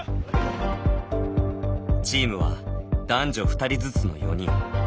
チームは男女２人ずつの４人。